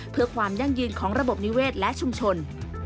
เพื่อความยั่งยืนของระบบนิเวศและชุมชน